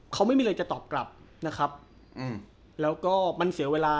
เขาไม่มีอะไรจะตอบกลับนะครับอืมแล้วก็มันเสียเวลา